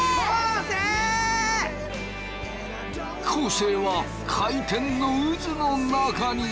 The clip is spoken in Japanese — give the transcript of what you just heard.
昴生は回転の渦の中に。